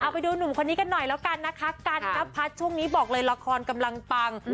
ไปดูหนุ่มคนนี้กันหน่อยแล้วกันนะคะกันนพัฒน์ช่วงนี้บอกเลยละครกำลังปัง